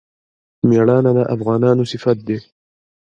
میړانه د افغانانو صفت دی.